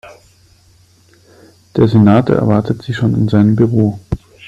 Der Senator erwartet Sie schon in seinem Büro.